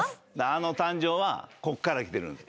あの誕生はここから来てるんです。